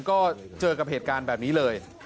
ก็เจอกับเหตุการณ์แบบนี้เลย